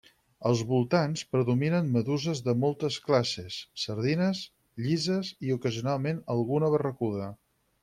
Als voltants, predominen meduses de moltes classes, sardines, llises i ocasionalment alguna barracuda.